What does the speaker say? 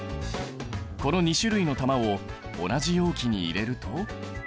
この２種類の玉を同じ容器に入れると。